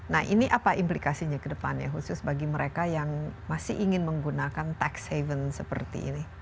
nah ini apa implikasinya ke depannya khusus bagi mereka yang masih ingin menggunakan tax haven seperti ini